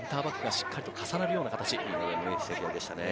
センターバックがしっかり重なるような形。